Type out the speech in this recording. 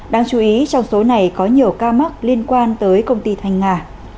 đáng chú ý trong số này có nhiều ca mắc liên quan tới công ty thanh nga